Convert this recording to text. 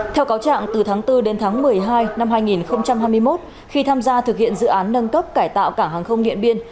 theo cáo trạng từ tháng bốn đến tháng một mươi hai năm hai nghìn hai mươi một khi tham gia thực hiện dự án nâng cấp cải tạo cảng hàng không điện biên